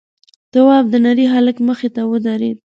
تواب د نري هلک مخې ته ودرېد: